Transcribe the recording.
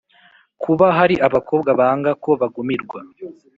kuba hari abakobwa banga ko bagumirwa